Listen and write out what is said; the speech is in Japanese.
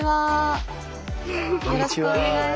よろしくお願いします。